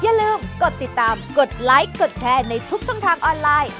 อย่าลืมกดติดตามกดไลค์กดแชร์ในทุกช่องทางออนไลน์